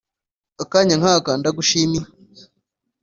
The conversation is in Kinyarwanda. akanya nkaka ndagushimiye.